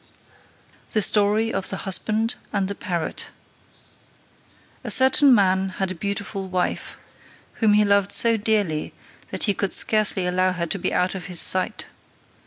The Story of the Husband and the Parrot. A certain man had a beautiful wife, whom he loved so dearly, that he could scarcely allow her to be out of his sight.